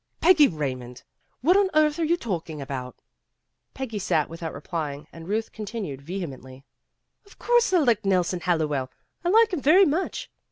"Peggy Raymond, what on earth are you talking about?" Peggy sat without replying and Ruth con tinued vehemently, "Of course I like Nelson Hallowell ; like him very much.